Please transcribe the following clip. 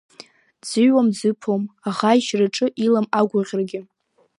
Дзыҩуам, дзыԥом, аӷа ишьраҿы илам агәаӷьрагьы.